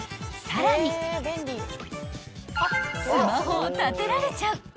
［さらにスマホを立てられちゃう